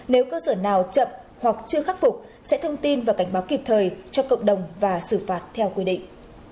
nếu cơ sở nào chậm hoặc chưa khắc phục sẽ thông tin và cảnh báo kịp thời cho cộng đồng và xử phạt theo quy định